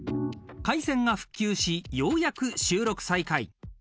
［回線が復旧しようやく収録再開］